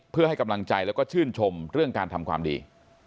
เพื่อให้กำลังใจแล้วก็ชื่นชมเรื่องการทำความดี